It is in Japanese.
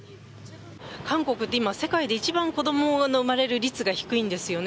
韓国って今、世界で一番子供の生まれる率が低いんですよね。